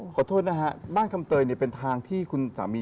ขอโทษนะฮะบ้านคำเตยเนี่ยเป็นทางที่คุณสามี